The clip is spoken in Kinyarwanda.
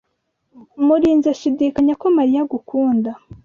Murinzi ashidikanya ko Mariya agukunda.